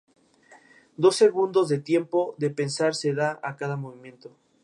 Dos segundos de tiempo de pensar se da a cada movimiento.